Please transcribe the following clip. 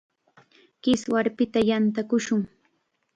Kiswarpita yantakushun.